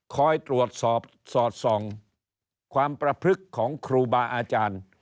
คอยตรวจสอบสอดส่องความประพฤกษ์ของครูบาอาจารย์